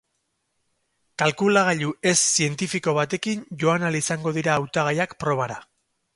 Kalkulagailu ez zientifiko batekin joan ahal izango dira hautagaiak probara.